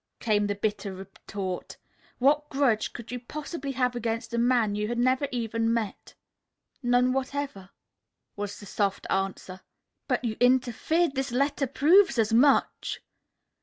came the bitter retort. "What grudge could you possibly have against a man you had never even met?" "None whatever," was the soft answer. "But you interfered. This letter proves as much."